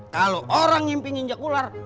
kalau orang ngimpi nginjek ular